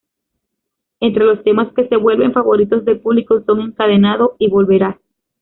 Entre los temas que se vuelven favoritos del público son: "Encadenado" y "Volverás".